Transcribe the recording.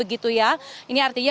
ini artinya mereka